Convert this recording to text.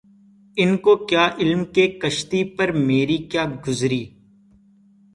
ان کو کیا علم کہ کشتی پہ مری کیا گزری